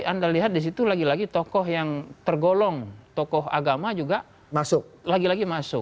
anda lihat di situ lagi lagi tokoh yang tergolong tokoh agama juga lagi lagi masuk